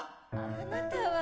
あなたは。